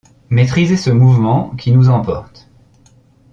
Maîtriser ce mouvement qui nous emporte!